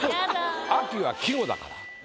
「秋」は季語だから。